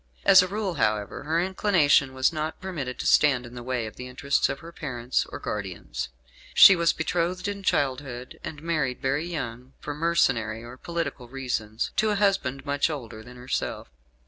As a rule, however, her inclination was not permitted to stand in the way of the interests of her parents or guardians. She was betrothed in childhood, and married very young, for mercenary or political reasons, to a husband much older than herself.